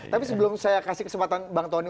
tapi sebelum saya kasih kesempatan bang tony